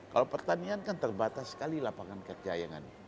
kalau pertanian kan terbatas sekali lapangan kerjayaan